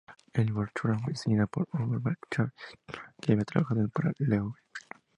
La Borchardt fue diseñada por Hugo Borchardt, que había trabajado para Loewe.